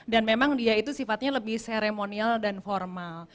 dan memang dia itu sifatnya lebih seremonial dan formal